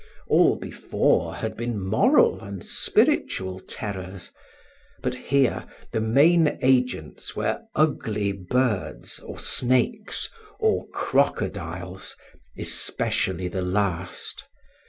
All before had been moral and spiritual terrors. But here the main agents were ugly birds, or snakes, or crocodiles; especially the last.